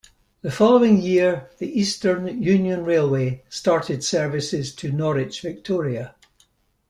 The following year the Eastern Union Railway started services to Norwich Victoria.